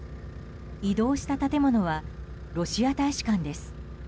移動した建物はロシア大使館です。